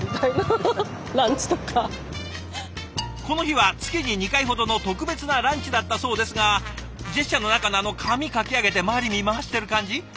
この日は月に２回ほどの特別なランチだったそうですがジェスチャーの中のあの髪かき上げて周り見回してる感じ